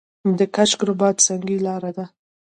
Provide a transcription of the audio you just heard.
د کشک رباط سنګي لاره ده